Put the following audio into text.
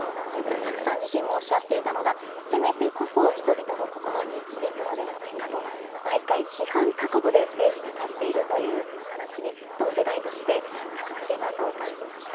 Ｓａｋｕさん自身もおっしゃっていたのが、攻めてこそ人々の心に響くのではないかと、毎回、批判覚悟でステージに立っているというお話に、同世代として、たくましいなと感じました。